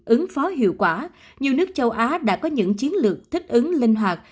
ứng phó hiệu quả nhiều nước châu á đã có những chiến lược thích ứng linh hoạt